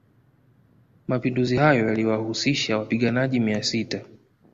Mapinduzi hayo yaliwahusisha wapaiganaji mia sita